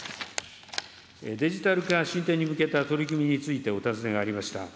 デジタル化進展に向けた取り組みについてお尋ねがありました。